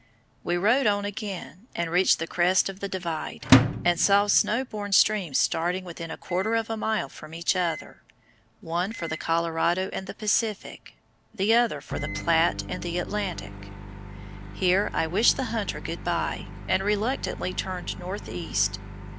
We rode on again, and reached the crest of the Divide (see engraving), and saw snow born streams starting within a quarter of a mile from each other, one for the Colorado and the Pacific, the other for the Platte and the Atlantic. Here I wished the hunter good bye, and reluctantly turned north east.